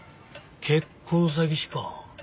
結婚詐欺師か。